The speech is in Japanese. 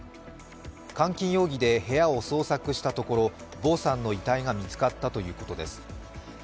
監禁容疑で部屋を捜索したところヴォさんの遺体が見つかったということです。